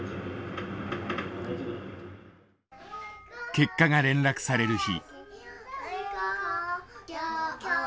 結果が連絡される日。